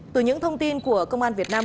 từ những thông tin của công an việt nam